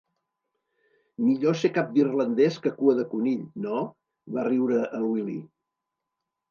Millor ser cap d'irlandès que cua de conill, no? —va riure el Willy.